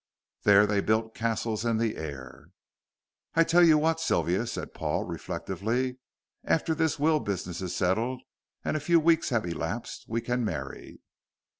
There they built castles in the air. "I tell you what, Sylvia," said Paul, reflectively; "after this will business is settled and a few weeks have elapsed, we can marry."